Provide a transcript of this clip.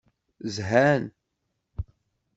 Zhan.